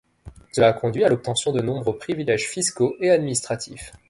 Cela a conduit à l'obtention de nombreux privilèges fiscaux et administratifs.